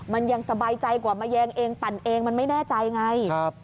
มันยังสบายใจกว่ามาแยงเองปั่นเองมันไม่แน่ใจไง